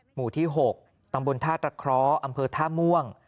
หมู่ที่๖ตำบลท่าตะเคราะห์อำเภอท่าม่วง